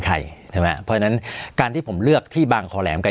ใช่ไหมเพราะฉะนั้นการที่ผมเลือกที่บางคอแหลมกับ